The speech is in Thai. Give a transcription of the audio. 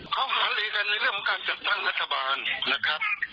เขาหาลือกันในเรื่องของการจัดตั้งรัฐบาลนะครับ